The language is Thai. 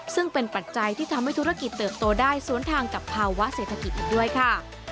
ซึ่งเป็นปัจจัยที่ทำให้ธุรกิจเติบโตได้สวนทางกับภาวะเศรษฐกิจอีกด้วยค่ะ